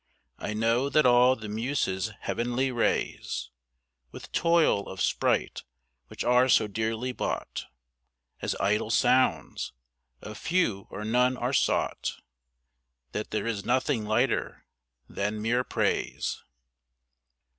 I know that all the muses' heavenly rays, With toil of sprite which are so dearly bought, As idle sounds, of few or none are sought That there is nothing lighter than mere praise.